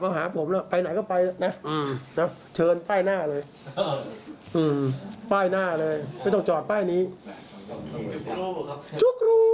จุ๊กรู้